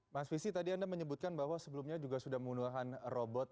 mas visi tadi anda menyebutkan bahwa sebelumnya juga sudah menggunakan robot